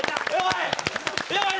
やばい！